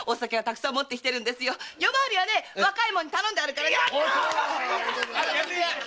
夜廻りは若い者に頼んであるからね。